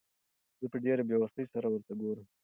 زه په ډېرې بېوسۍ سره ورته ګورم.